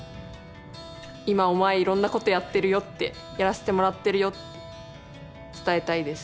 今お前いろんなことやってるよってやらせてもらってるよって伝えたいです。